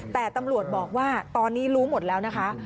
แต่ตำรวจบอกว่าตอนนี้รู้หมดแล้วนะคะ